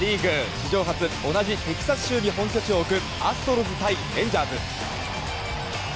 史上初、同じテキサス州に本拠地を置くアストロズ対レンジャーズ。